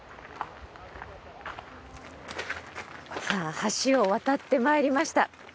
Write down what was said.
さぁ橋を渡ってまいりました。